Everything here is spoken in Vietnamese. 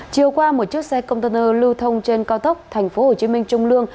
chiều qua một chiếc xe container lưu thông trên cao tốc tp hcm trung lương